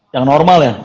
yang normal ya